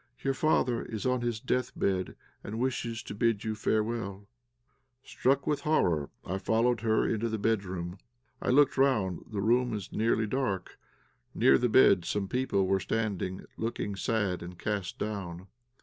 "Your father is on his death bed, and wishes to bid you farewell." Struck with horror, I followed her into the bedroom. I look round; the room is nearly dark. Near the bed some people were standing, looking sad and cast down.